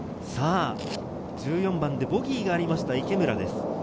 １４番でボギーがありました、池村です。